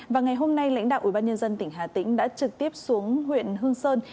và ngày hôm nay lãnh đạo ubnd tỉnh hà tĩnh đã trực tiếp xuống huyện hương sơn